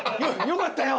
よかったよ。